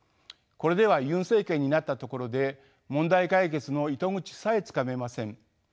これではユン政権になったところで問題解決の糸口さえつかめません。